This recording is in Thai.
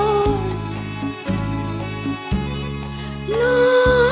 ไม่ใช้ค่ะ